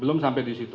belum sampai di situ